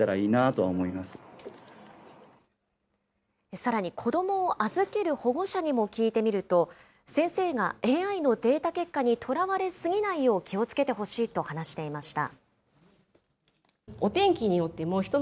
さらに、子どもを預ける保護者にも聞いてみると、先生がＡＩのデータ結果にとらわれ過ぎないよう気をつけてほしいと話していました。